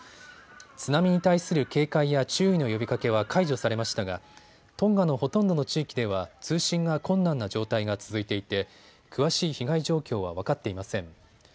津波に対する警戒や注意の呼びかけは解除されましたがトンガのほとんどの地域では通信が困難な状態が続いていて詳しい被害状況は分かっていません。